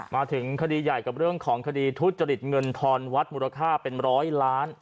มาถึงคดีใหญ่กับเรื่องของคดีทุจริตเงินทอนวัดมูลค่าเป็นร้อยล้าน